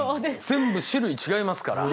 全部種類違いますから。